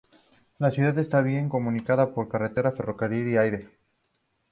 La ciudad está bien comunicada por carretera, ferrocarril y aire.